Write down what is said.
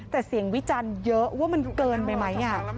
แต่เสียงวิจารณ์เยอะว่ามันเกินไปไหม